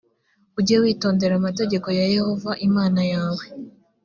ujye witondera amategeko ya yehova imana yawe.